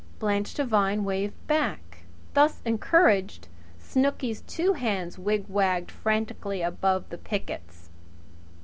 Blanche Devine waved back. Thus encouraged, Snooky's two hands wigwagged frantically above the pickets.